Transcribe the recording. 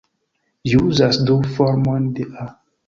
Ĝi uzas du formojn de "a".